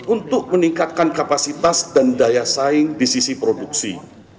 untuk meningkatkan kapasitas dan daya saing di sisi produksi